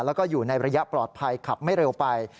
แล้วก็อยู่ในระยะปลอดภัยขับไม่เร็วไป